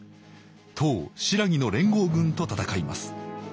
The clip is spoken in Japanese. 唐・新羅の連合軍と戦います。